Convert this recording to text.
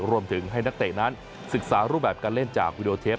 รวมถึงให้นักเตะนั้นศึกษารูปแบบการเล่นจากวีดีโอเทป